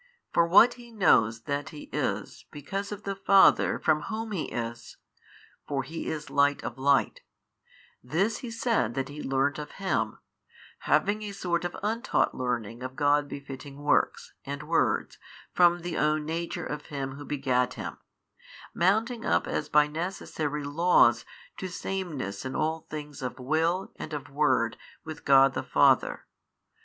For what He knows that He is because of the Father from Whom He is (for He is Light of Light), this He said that He learnt of Him, having a sort of untaught learning of God befitting works and words from the own Nature of Him Who begat Him, mounting up as by necessary laws to sameness in all things of will and of word with God the Father.